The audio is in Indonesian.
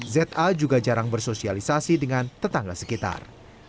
za juga jarang bersosialisasi dengan tetangga sekitar